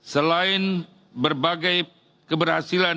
selain berbagai keberhasilan